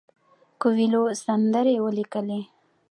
کویلیو سندرې ولیکلې.